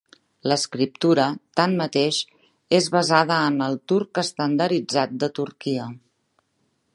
L'escriptura, tanmateix, és basada en el turc estandarditzat de Turquia.